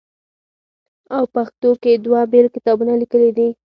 او پښتو کښې دوه بيل کتابونه ليکلي دي